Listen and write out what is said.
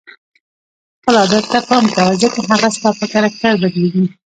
خپل عادت ته پام کوه ځکه هغه ستا په کرکټر بدلیږي.